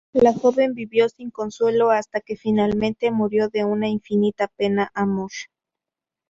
La joven vivió sin consuelo hasta que, finalmente, murió de una infinita pena amor.